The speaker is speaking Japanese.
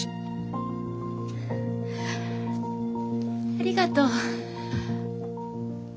ありがとう。